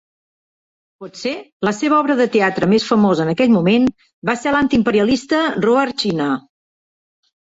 Potser la seva obra de teatre més famosa en aquell moment va ser la antiimperialista Roar China!